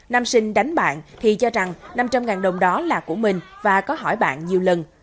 nam sinh đánh bạn thì cho rằng năm trăm linh đồng đó là của mình và có hỏi bạn nhiều lần